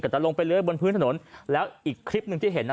จะลงไปเลยบนพื้นถนนแล้วอีกคลิปหนึ่งที่เห็นน่ะ